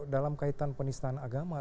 dalam kaitan penistaan agama